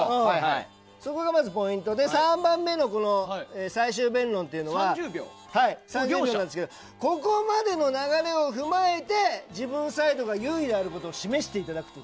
そこがまずポイントで３番目の最終弁論は３０秒ですがここまでの流れを踏まえて自分サイドが優位であることを示していただくと。